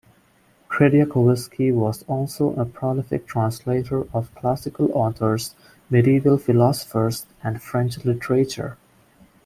Trediakovsky was also a prolific translator of classical authors, medieval philosophers, and French literature.